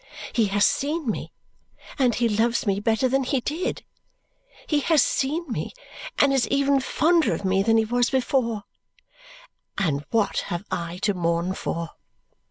"He has seen me, and he loves me better than he did; he has seen me and is even fonder of me than he was before; and what have I to mourn for!"